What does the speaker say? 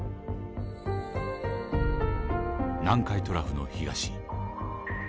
南海トラフの東。